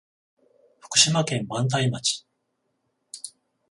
福島県磐梯町